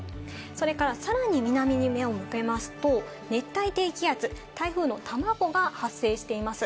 それから、さらに南に目を向けますと、熱帯低気圧、台風の卵が発生しています。